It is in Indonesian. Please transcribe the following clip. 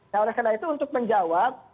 nah oleh karena itu untuk menjawab